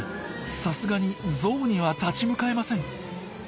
さすがにゾウには立ち向かえません。